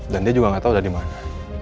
dan dia juga gak tau udah dimana